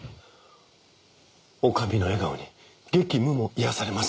女将の笑顔に激務も癒やされます。